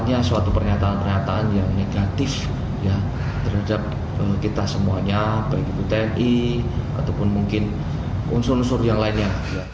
ada suatu pernyataan pernyataan yang negatif terhadap kita semuanya baik itu tni ataupun mungkin unsur unsur yang lainnya